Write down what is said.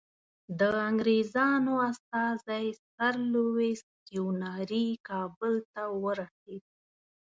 د انګریزانو استازی سر لویس کیوناري کابل ته ورسېد.